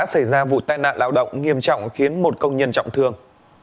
xảy ra vụ tai nạn lao động nghiêm trọng khiến một công nhân trọng thương